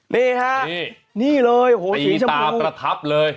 นี่ฮะนี่เลยโอ้โหสีชมตาประทับเลย